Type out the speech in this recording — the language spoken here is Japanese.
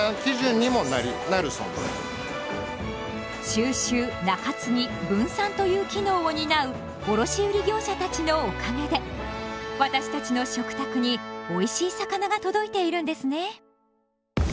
収集・仲継・分散という機能を担う卸売業者たちのおかげで私たちの食卓においしい魚が届いているんですね。